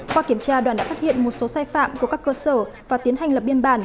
qua kiểm tra đoàn đã phát hiện một số sai phạm của các cơ sở và tiến hành lập biên bản